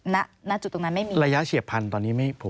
รายยะเฉียบพันตอนนี้